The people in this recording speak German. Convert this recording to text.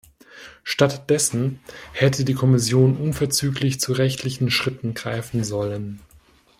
Statt dessen hätte die Kommission unverzüglich zu rechtlichen Schritten greifen sollen.